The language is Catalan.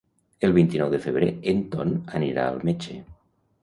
El vint-i-nou de febrer en Ton anirà al metge.